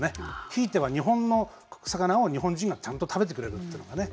ひいては、日本の魚を日本人がちゃんと食べてくれるというのがね。